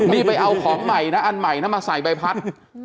นี่ไปเอาของใหม่นะอันใหม่นะมาใส่ใบพัด